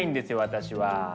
私は。